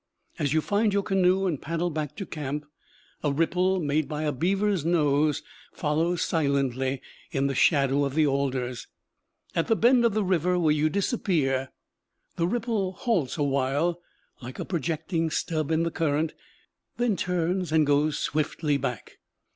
As you find your canoe and paddle back to camp, a ripple made by a beaver's nose follows silently in the shadow of the alders. At the bend of the river where you disappear, the ripple halts a while, like a projecting stub in the current, then turns and goes swiftly back.